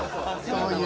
そういう。